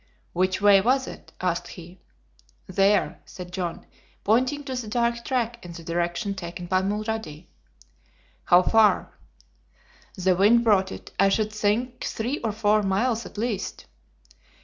"Which way was it?" asked he. "There," said John, pointing to the dark track in the direction taken by Mulrady. "How far?" "The wind brought it; I should think, three or four miles, at least."